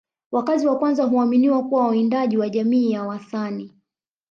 Wakazi wa kwanza huaminiwa kuwa wawindaji wa jamii ya Wasani